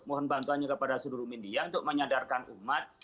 mohon bantuannya kepada sudur mindia untuk menyadarkan umat